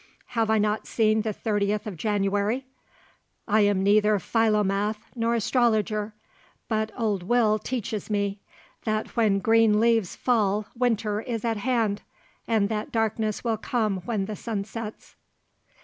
Have I not seen the 30th of January? I am neither Philomath nor astrologer; but old Will teaches me, that when green leaves fall winter is at hand, and that darkness will come when the sun sets."